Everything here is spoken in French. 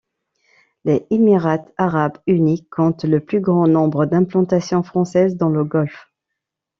Les Émirats arabes unis comptent le plus grand nombre d'implantations françaises dans le golfe.